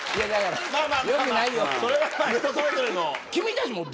それはまあ人それぞれの。